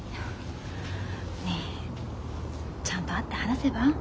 ねえちゃんと会って話せば？